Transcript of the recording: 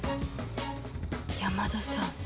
山田さん